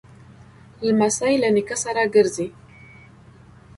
لمسی له نیکه سره ګرځي.